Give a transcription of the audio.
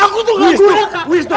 aku tuh gak guna kak